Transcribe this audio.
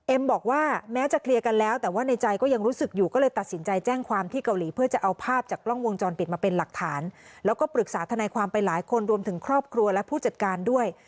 บอกว่าแม้จะเคลียร์กันแล้วแต่ว่าในใจก็ยังรู้สึกอยู่ก็เลยตัดสินใจแจ้งความที่เกาหลีเพื่อจะเอาภาพจากกล้องวงจรปิดมาเป็นหลักฐานแล้วก็ปรึกษาทนายความไปหลายคนรวมถึงครอบครัวและผู้จัดการด้วย